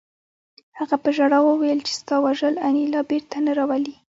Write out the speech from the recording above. هغه په ژړا وویل چې ستا وژل انیلا بېرته نه راولي